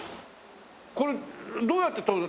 これどうやって撮るの？